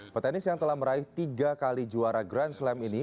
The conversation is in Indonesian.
petenis yang telah meraih tiga kali juara grand slam ini